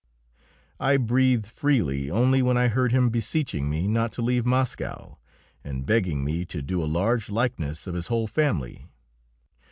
I breathed freely only when I heard him beseeching me not to leave Moscow, and begging me to do a large likeness of his whole family.